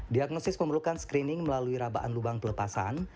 diagnosis memerlukan screening melalui rabaan lubang pelepasan